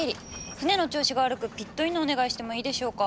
船の調子が悪くピットインのお願いしてもいいでしょうか？